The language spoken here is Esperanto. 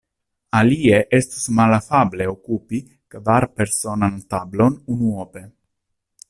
Alie, estus malafable okupi kvarpersonan tablon unuope.